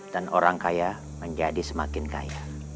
dan orang kaya menjadi semakin kaya